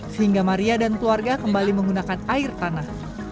sehingga maria dan keluarga kembali menggunakan air tanah